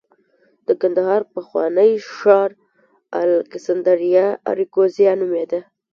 د کندهار پخوانی ښار الکسندریه اراکوزیا نومېده